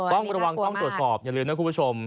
ต้องระวังต้องตรวจสอบอย่าลืมนะคุณผู้ชม